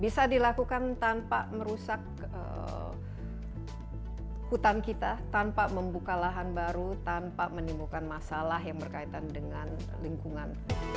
bisa dilakukan tanpa merusak hutan kita tanpa membuka lahan baru tanpa menimbulkan masalah yang berkaitan dengan lingkungan